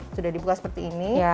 sudah dibuka seperti ini